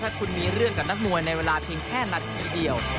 ถ้าคุณมีเรื่องกับนักมวยในเวลาเพียงแค่นาทีเดียว